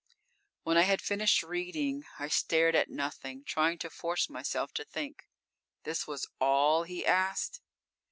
_When I had finished reading I stared at nothing, trying to force myself to think. This was "all" he asked.